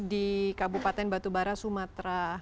di kabupaten batubara sumatera